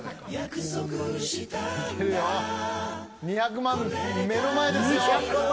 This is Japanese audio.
２００万、目の前ですよ。